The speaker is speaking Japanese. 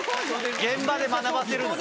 現場で学ばせるのよ。